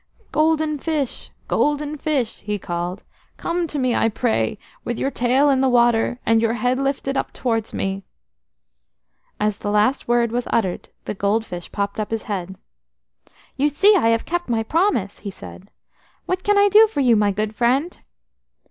"Golden fish, golden fish!" he called. "Come to me, I pray, with your tail in the water, and your head lifted up towards me!" As the last word was uttered the gold fish popped up his head. "You see I have kept my promise," he said. "What can I do for you, my good friend?"